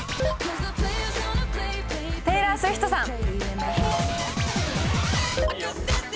テイラー・スウィフトさん。